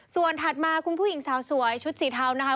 ส่วนถัดมาคุณผู้หญิงสาวสวยชุดสีเทานะคะ